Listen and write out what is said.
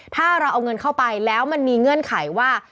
ถ้าเราเอาเงินเข้าไปแล้วมันมีเงื่อนไขว่า